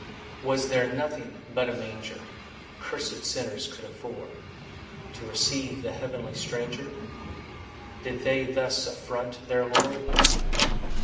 Was there nothing but a manger Cursèd sinners could afford To receive the heavenly stranger? Did they thus affront their Lord?